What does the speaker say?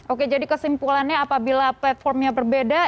oke jadi kesimpulannya apabila platformnya berbeda